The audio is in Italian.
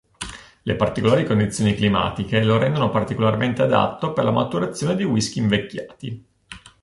Le particolari condizioni climatiche lo rendono particolarmente adatto per la maturazione di whisky invecchiati.